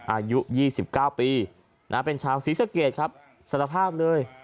อายุยี่สิบเก้าปีนะเป็นชาวศรีเสร็จครับสารภาพเลย